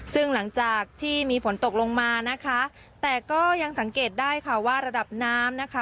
ซึ่งหลังจากที่มีฝนตกลงมานะคะแต่ก็ยังสังเกตได้ค่ะว่าระดับน้ำนะคะ